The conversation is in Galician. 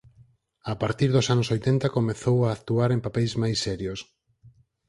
A partir dos anos oitenta comezou a actuar en papeis máis serios.